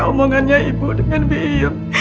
omongannya ibu dengan bi iyam